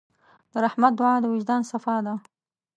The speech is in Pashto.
د رحمت دعا د وجدان صفا ده.